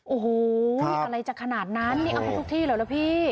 โอ้โหอะไรจะขนาดนั้นนี่เอาไปทุกที่เหรอล่ะพี่